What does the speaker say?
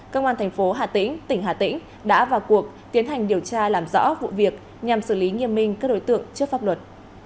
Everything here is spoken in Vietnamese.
công an thành phố hà tĩnh tỉnh hà tĩnh đã vào cuộc tiến hành điều tra làm rõ vụ việc nhằm xử lý nghiêm minh các đối tượng trước pháp luật